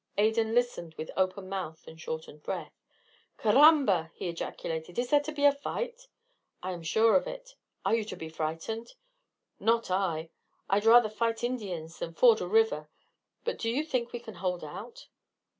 Adan listened with open mouth and shortened breath. "Caramba!" he ejaculated. "Is there to be a fight?" "I am sure of it. Are you frightened?" "Not I. I'd rather fight Indians than ford a river. But do you think we can hold out?"